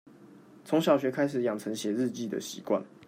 從小學開始養成寫日記的習慣